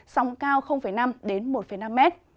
sóng cao năm một năm m